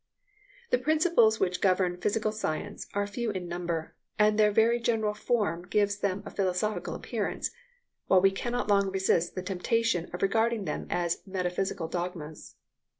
The principles which govern physical science are few in number, and their very general form gives them a philosophical appearance, while we cannot long resist the temptation of regarding them as metaphysical dogmas.